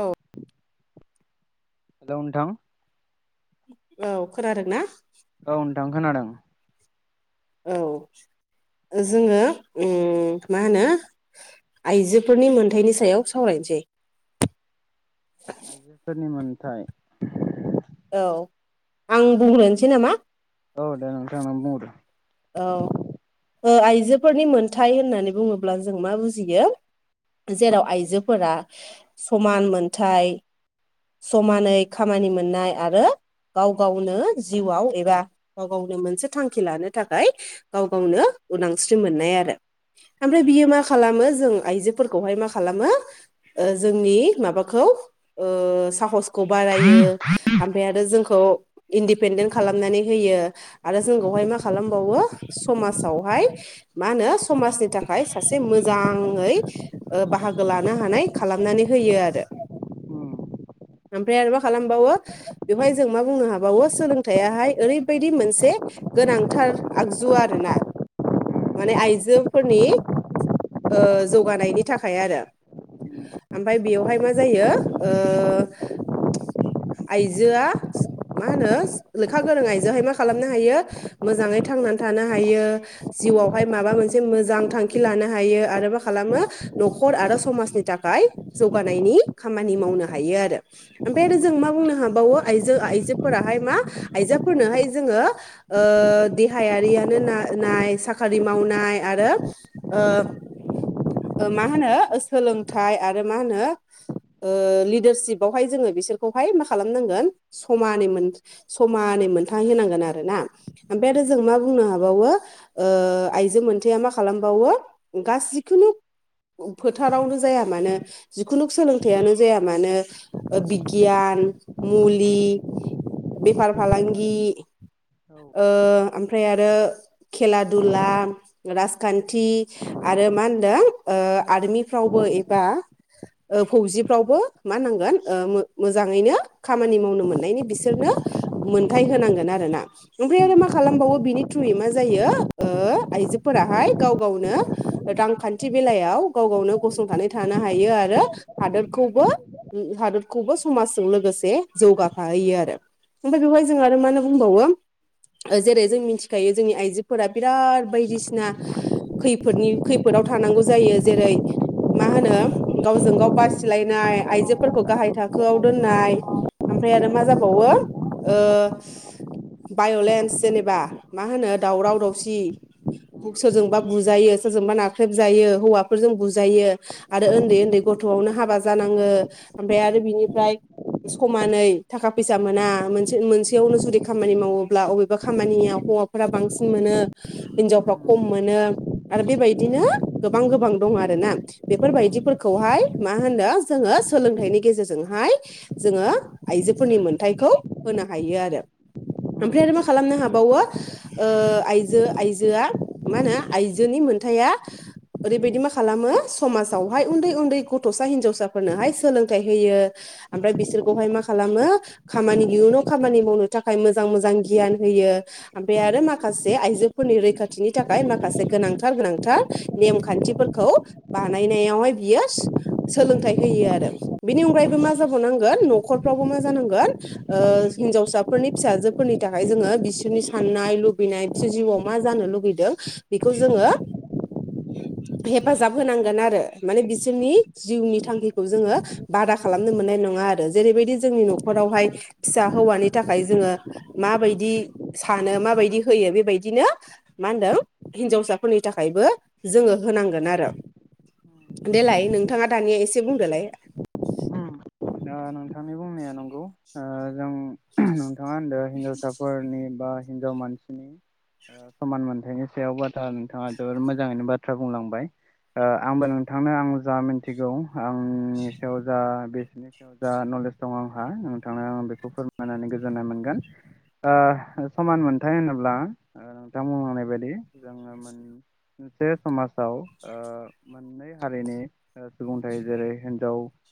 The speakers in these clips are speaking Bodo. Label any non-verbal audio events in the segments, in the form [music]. औ। हेलौ नोंथां? औ खोनादों ना? औ नोंथां खोनादों। औ। जोङो उम मा होनो आइजोफोरनि मोनथायाइनि सायाव सावरायनि सै। आयजोफोरनि मोनथाय औ आं बुंग्रोनोसै नामा? औ दे नोंथां नों बुंग्रो। औ। ओ आइजोफोरनि मोनथाय होननानै बुङोब्ला जों मा बुजिगोन? जेराव आइजोफोरा समान मोनथाय समानै खामानि मोननाय आरो गाव गावनो जिउआव एबा गाव गावनो मोनसे थांखि लानो थाखाय गाव गावनो उदांस्रि मोननाय आरो। ओमफ्राय बियो मा खालामो जों आइजोफोरखौहाय मा खालामो जोंनि माबाखौ ओ साहस खौ बारायो आमफ्राय आरो जों खौ इन्दिपेनडेन्ट खालामनानै होयो आरो जोंखौहाय मा खालामबावो समाजावहाय मा होनो समाजनि थाखाय सासे मोजाङै ओ बाहागो लानो हानाय खालामनानै होयो आरो। [inaudible] [inaudible] ओमफ्राय आरो मा खालामबावो बेवहाय जों मा बुंनो हाबावो सोलोंथायाहाय ओरैबायदि मोनसे गोनांथार आगजु आरोना। माने आइजोफोरनि ओ जौगानायनि थाखाय आरो। ओमफाय बेवहाय मा जायो ओ आइजोआ मा होनो लेखा गोरों आइजोहाय मा खालामनो हायो मोजाङै थांनानै थानो हायो जिउवावहाय माबा मोनसे मोजां थांखि लानो हायो आरो मा खालाम मो न'खर आरो समनि थाखाय जौगानायनि खामानि मावनो हायो आरो ओमफाय जों मा बुंनो हाबावो आइजो आइजोफोराहाय मा आइजाफोरनोहाय जोङो ओ देहायारियानो ना-नाय साखारि मावनाय आरो ओ ओ मा होनो सोलोंथाइ आरो मा होनो ओ लिडारसिपावहाय जोङो बिसोरखौहाय मा खालामनांगोन समानै मोन समा नै मोन्थाय होनांगोन आरो ना ओमफाय आरो औ जों मा बुंनो हा बाववौ ओ आइजो मोनथाया मा खालामबावौ गासिखुनो फोथारावनो जाया मानो जिखुनुक सोलोंथाइयानो जाया मानो ओ बिगगिया न मुलि बेफार फालांगि औ ओ ओमफ्राय आरो खेला दुला राजखान्थि आरो मा होनदों ओ आर्मिफ्रावबो एबा ओ फौजिफ्रावबो मा नांगोन ओ मो-मोजाङैनो खामानि मावनो मोननायनि बिसोरनो मोनथाय होनांगोन आरोना। ओमफ्राय आरो मा खालामबावो बिनि थ्रुयै मा जायो ओ आइजोफोराहाय गाव गावनो रांखान्थि बेलायाव गाव गावनो गसंथानै थानो हायो आरो हादोरखौबो हा दतखौबो समाजजों लोगोसे जौगाफाहैयो आरो ओमफ्राय बेवहाय जों आरो मा होनना बुंबावो जेरै जों मिथिखायो जोंनि आइजोफोरा बिराद बायदिसिना खैफोदनि खैफोदाव थानांगौ जायो जेरै मा होनो गावजों गाव बासिलायनाय आइजोफोरखौ गाहाय थाखोआव दोननाय ओमफ्राय आरो मा जाबावो ओ बाय'लेन्स जेनेबा मा होनो दावराव दावसि सोरजोंबा बुजायो सोरजोंबा नाख्रेबजायो हौवाफोरजों बुजायो आरो उन्दै उन्दै ग थ'आवनो हाबा जानाङो ओमफ्राय आरो बिनिफ्राय समानै थाखा फैसा मोना मोनसे मोनसेयावनो जुदि खा मानि मावोब्ला अबेबा खामानिया हौवाफोरा बांसिन मोनो हिनजावफ्रा खम मोनो र बेबायदिनो गोबां गोबां दं आरोना बेफोरबायदिफोरखौहाय मा होनदो जोङो सो लोंथाइनि गेजेरजोंहाय जोङो आइजोफोरनि मोनथायखौ होनो हायो आरो। [inaudible] ओमफ्राय आरो मा खालामनो हाबावो ओ आइजो आइजोआ मा होनो आइजोनि मोनथा या ओरैबायदि मा खालामो समाजावहाय उन्दै उन्दै गथ'सा हिनजावसाफोरनोहाय सोलोंथाइ होयो ओमफ्राय बिसोरखौहाय मा खालामो खामानि इयुनाव खामानि मावनो थाखाय मोजां मोजां गियान होयो ओमफ्राय औ आरो माखासे आइजोफोरनि रैखाथिनि थाखाय माखासे गोनांथार गोनांथार नेमखान्थिफोरखौ बानायनायावहाय बियो सोलोंथाइ होयो। आरो बिनि अनगायैबो मा औ जाबावनांगोन न'खरफ्रावबो मा जांगोन ओ हिजावसा फोरनि फिसाजोफोरनि थाखाय जोङो बिसोरनि साननाय लुबैनाय बिसोरनि जिउआव मा जानो लुुबैदों बेखौ जोङो हेफाजाब होनांगोन आरो माने बिसोरनि जिउनि थांखिखौ जोङो बादा खालामनो मोननाय न ङा आरो जेरैबायदि जोंनि न'खरावहाय फिसा हौवानि थाखाय जोङो माबायदि सानो माबायदि होयो बेबायदिनो मा होनदों हिनजावसाफोरनि थाखायबो जोङो होनांगोन आरो। देलाय नोंथाङा दानिया एसे बुंदोलाय। उम दा नोंथांनि बुंनाया नंगौ ओ जों नोंथाङा होनदो हिनजावसाफोरनि बा हिनजाव मानसिनि ओ समान मोनथायाइनि सायाव बाथा नोंथाङा जोबोद मोजाङैनो बाथ्रा बुंलांबाय। ओ आंबो नोंथांनो आं जा मिथिगौ आंनि सायाव जा बेसेनि सायाव जा नलेज दं आंहा नोंथाङा बेखौ फोरमायनानै गोजोननाय मोनगोन। ओ समान मोनथाय होनोब्ला ओ नोंथां बुंलांनाय बायदि जोङो मोन मोनसे समाजाव ओ मोननै हारिनि सुबुंथाय जेरै हिन्जाव ओ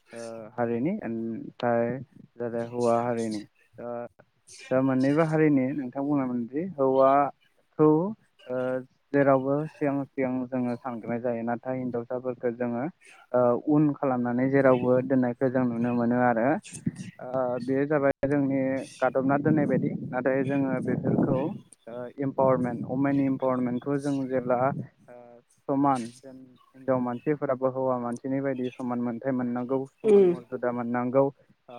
हारिनि ओनफ्राय [unintelligible] हौवा हारिनि। दा मोननैबो हारिनि नोंथां बुंलांमोनदि हौवा खौ ओ जेरावबो सिगां सिगां जोङो सानग्रोनाय जायो नाथाय हिनजावसाफोरखो जोङो ओ उन खालामनानै जेरावबो दोननायखौ जों नुनो मोनो आरो। ओ बेयो जाबाय जोंनि गादबना दोननाय बायदि नाथाय जोङो बेफोरखौ ओ इम्पावारमेन्ट वमेन इमपावारमेन्टखौ जों जेब्ला समान जेन हिनजाव मानसिफोराबो हौवा मानसिनि बायदि समान मोनथाय मोननां खौ समान उम मरजदा मोननांगौ। औ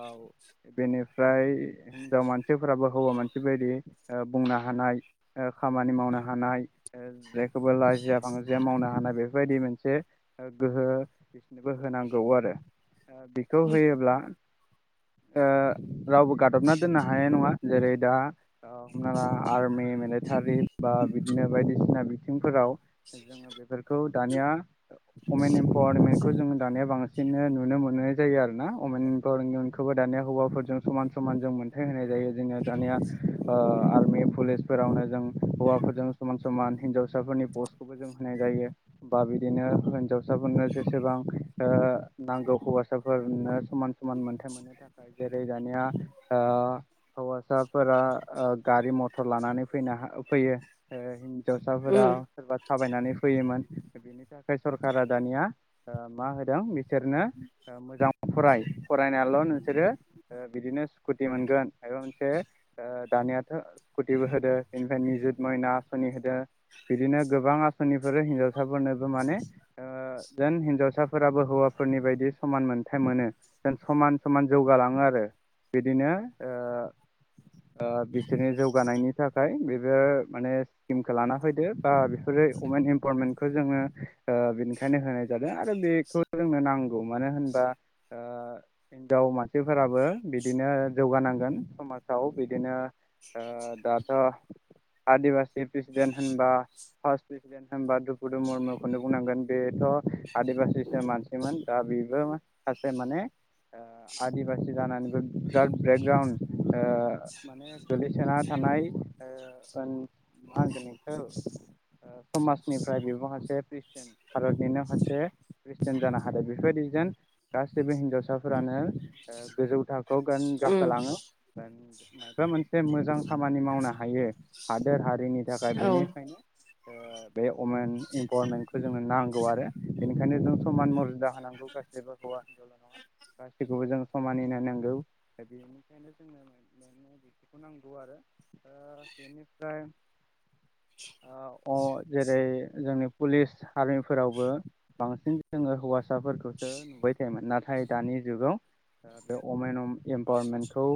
बेनिफ्राय हिनजाव मानसिफोराबो हौवा मानसि बायदि ओ बुंना थानाय ओ खामानि मावनो हानाय ओ जेखौबो लाजिया फांजिया मावनो हानाय बेफोरबायदि बिदि मोनसे गोहो बिसनोबो होनांगौ आरो। ओ बिखौ होयोब्ला ओ रावबो गादबना दोननो हानाय नङा जेरै दा ओ हमना ला आर्मि मिलिटारि बा बिदिनो बायदिसिना बिथिंफोराव जोङो बे बेफोरखौ दानिया वमेन एम्पावारमेन्टखौ जों दानिया बांसिनो नुनो मोननाय जायो आरो ना अमेनफोरनखौबो दानिया हौवाफोरजों समान समान जों मोन्थाय होनाय जायो जोङो दानिया ओ आर्मि पुलिसफोरावनो जों हौवाफोरजों समान समान हिनजावसाफोरनि पसखौबो जों होनाय जायो बा बिदिनो होनज साफोरनो जेसेबां ओ नांगौ हौवासाफोरनो समान कसुमान मोनथाय मोननो थाखाय जेरै दानिया ओ हौवासा फोरा ओ गारि मथर लानानै फैनो फैयो [unintelligible] हिनजावसाफोरा उम सोरबा थाबायनानै फैयोमोन बेनि थाखाय सरखारा दानिया मा होदों बिसोरनो मोजां फराय फरायनायल' नोंसोरो बिदिनो स्कुटि मोनगोन एबा मोनसे ओ दानायाथ' स्कुटिबो होदो बेनिफ्राय निजुत मयना आसनि होदों बिदिनो गोबां आसनिफोर हिनजावसाफोरनोबो माने ओ जेन हिनजावसाफोराबो हौवा फोरनि बायदि समान मोनथथाय मोनो जों समान समान जौगालाङो आरो। बिदिनो ओ ओ बिसोरनि जौगानायनि थाखाय बेबो माने स्किमखौ लाना फैदो बा बेफोरो [unintelligible] वमेन इमपावारमेण्डखो जोङो ओ बेनिखायनो होनाय जादों आरो बेखौ जोंनो नांगौ मानो होनबा ओ हिनजाव मानसिफोराबो बिदिनो जौगानाय नांगोन समाजाव बिदिनो ओ दाथ' आदिबासि प्रेसिडेन्ट होनबा फार्स्ट प्रेसिडेन्ट होनबा द्रुपदि मुर्मुखौनो बुंनांगोन बेथ' आदिबासि मानसिमोन दा बेबो सासे माने ओ आदिबासि जानानैबो बिराद बेकग्राउड माने गोग्लैसोना थान नाय ओ ओन मा होनगोन इखो ओ‌ समाजनिफ्राय बेबो सासे प्रेसिदेन्ट भारतनिनो सासे प्रेसिडेन्ट जानो हादों बेफोरबायदि जेन गासैबो हिनजावसाफोरानो ओ गोजौ थाख खौ गोन उम गाखोलाङो। माबा मोनसे मोजां खामानि मावनो हायो हादोर हारिनि थाखाय औ बेनिखायनो बे वमेन इम्पावारमेन्टखौ जोङो नांगौ आरो ओंखायनो जों समान मरजिदा होनांगौ गासिबो हौा हिनजावला नङा गाससिखौबो जों समानै नाय नांगौ दा बेनिखायनो जोङो बिखखौ नांगौ आरो दा बेनिफ्राय अ जेरै जोंनि पुलिस आर्मिफोरावबो बांसिन जोङो हौवासाफोरखौसो नुबाय थायोमोन नाथाय दानि जुगाव बे अमेन इम्पावारमेन्टखौ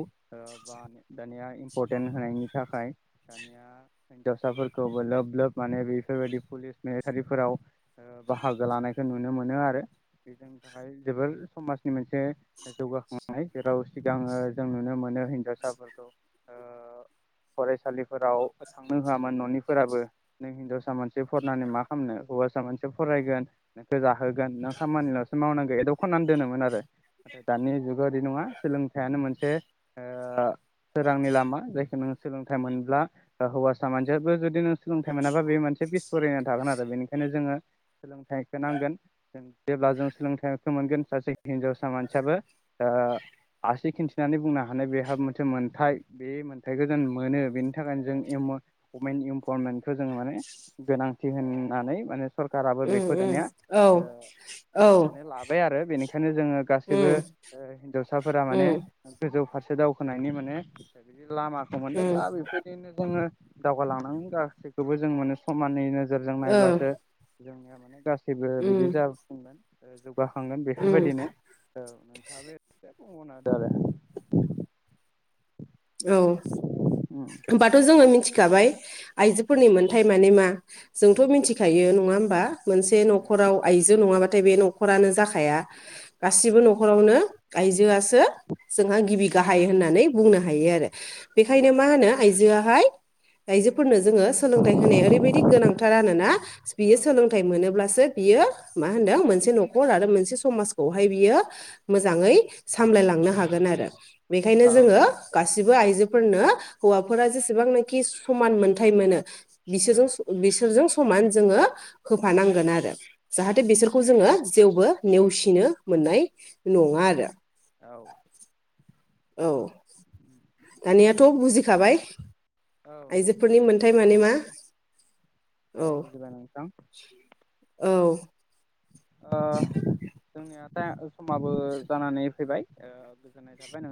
ब दानिया इम्परटेन्ट होनायनि थाखाय दानिया हिनजावसाफोरखौबो लोब लोब माने बेफोर बायदि पुलिस मिलिटारिफोराव। बाहाग लानायखौ नुनो मोनो आरो बे जोंनि थाखाय जोबोर समाजनि मोनसे जौगाखांनाय। जेराव सिगाङो जों नुनो मोनो हिन्जावसाफोरखौ फरायसालिफोराव थांनो होआमोन ननिफोराबो नों हिनजावसा मानसि फरायनानानै मा खालामनो। हौवासा मानसि फरायगोन नोंखौ जाहोगोन नों खामानिलसो मावनांगौ एदब खालामनानै दोनोमोन आरो। नाथाय दानि जुगा इदि नङा सोलोंथाइयानो मोनसे सोरांनि लामा जायखौ नों सोलोंथाइ मोनब्ला हौवासा मानसियाबो जुदि नों सोलोंथाइ मोनाबा बे मोनसे एसे फरायना थागोन आरो बेनिखायनो जोङो सोलोंथाइ। नांगोन जेब्ला जों सोलोंथाइखौ मोनगोन सासे हिनजावसा मानसियाबो आसि खिन्थिनानै बुंनो हानाय बेहा मोनसे मोनथाय बे मोनथायखौ जों मोनो बेनि थाखायनो जों अमेन इमपरमेन्टखौ जोङो माने गोनांथि होननानै माने सरकाराबो उम बेखौ उम दानिया औ। औ माने लाबाय आरो बेनिखायनो जोङो गासैबो उम हिनजावसाफोरा माने उम गोजौ फारसे दावखोनायनि माने बिदि लामाखौ मोनदों उम बा बेबायदिनो जोङो । दावगालांनांगोन गासैखौबो जों माने समाननि नोजोरजों ओ नायब्लासो जोंनिया माने गासै जेबो उम बिदि जाफुंगोन जौगाखांगोन उम बेफोरबायदिनो औ नोंथाङाबो इसे [inaudible] औ होमबाथ जोङो मिथिखाबाय। आइजोफोरनि उम मोन्थाय माने मा जोंथ' मिथिखायो नङा होमबा मोनसे उम नखराव आइजो नङाबा नाथाय बे नखरानो जाखाया गासिबो उम नखरावनो आइजो जोंहा गिबि गाहाय होननानै बुंनो हायो आरो बेनिखायनो मा औ होनो आइजोआ आयजोफोरनो। जोङो सोलोंथाइ होनाया ओरैबायदि गोनांथार आरोना बियो औ सोलोंथाइ मोनोब्लासो। बियो मा होनदों मोनसे न'खर आरो मोनसे समाजखौहाय बियो मोजाङै सामलायलां थांनो हागोन आरो बेनिखायनो औ जोङो। गासिबो आइजोफोरनो हौवाफोरा जेसेबां नाखि समान मोनथाय मोनो औ बिसोरजों बिसोरजों समान जोङो। होफानांगोन आरो जाहाथे बिसोरखौ जोङो। थेवबो नेवसिनो मोननाय नङा आरो। औ। औ दानियाथ बुजिखाबाय। औ आइजोफोरनि मोन्थाय माने मा। औ बुजिबाय नोंथां। औ। ओं। जोंनिया समाबो जानानै फैबाय गोजोननाय थाबाय नोंथां।